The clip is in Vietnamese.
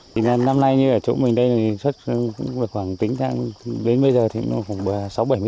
thì năm nay như ở chỗ mình đây thì khoảng tính đến bây giờ thì nó khoảng sáu bảy mươi tấn rồi